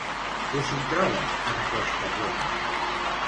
Què s'hi troba en aquesta zona?